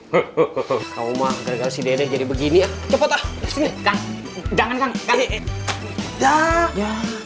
hahaha kamu mau gara gara si dede jadi begini cepet ah jangan jangan